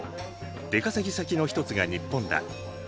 出稼ぎ先の一つが日本だ。